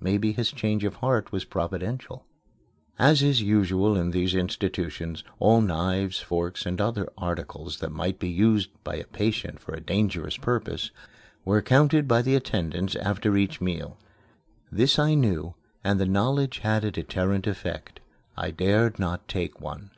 Maybe his change of heart was providential. As is usual in these institutions, all knives, forks, and other articles that might be used by a patient for a dangerous purpose were counted by the attendants after each meal. This I knew, and the knowledge had a deterrent effect. I dared not take one.